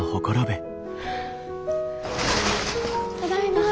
ただいま。